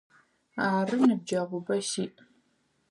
Ары, ныбджэгъубэ сиӏ.